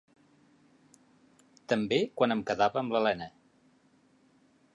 També quan em quedava amb l'Elena.